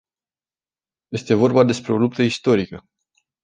Este vorba despre o luptă istorică.